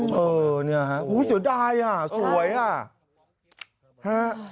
โหวววสีดายอ่ะสวยอ่ะ